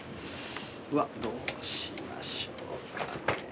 うわどうしましょうかね。